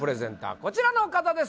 こちらの方です